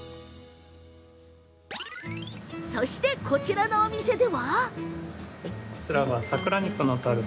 そして、こちらのお店では。